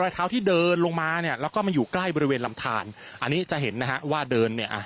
เท้าที่เดินลงมาเนี่ยแล้วก็มาอยู่ใกล้บริเวณลำทานอันนี้จะเห็นนะฮะว่าเดินเนี่ยอ่ะ